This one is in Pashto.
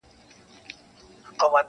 • رپول یې له ناکامه وزرونه -